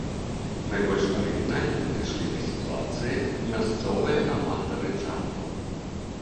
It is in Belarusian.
Найбольш арыгінальна падышлі да сітуацыі мясцовыя аматары жартаў.